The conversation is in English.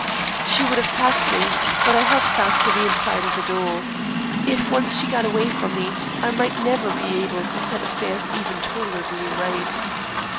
She would have passed me, but I held fast to the inside of the door. If once she got away from me I might never be able to set affairs even tolerably right.